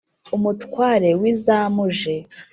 umutware w’izamuje